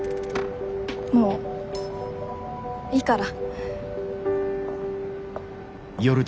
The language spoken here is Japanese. もういいから。